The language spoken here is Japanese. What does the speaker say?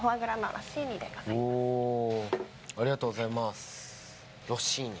ありがとうございます。